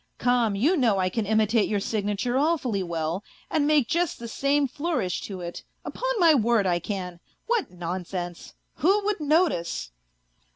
. Come, you know I can imitate your signature awfully well, and make just the same flourish to it, upon my word I can. What nonsense ! Who would notice